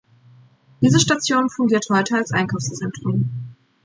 Diese Station fungiert heute als Einkaufszentrum.